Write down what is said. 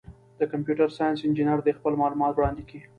د کمپیوټر ساینس انجینر دي خپل معلومات وړاندي کي.